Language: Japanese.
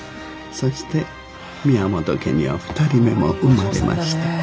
そして宮本家には２人目も生まれました。